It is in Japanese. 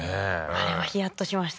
あれはヒヤッとしましたね